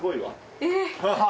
えっ。